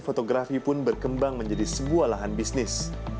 fotografi pun berkembang menjadi sebuah lahan bisnis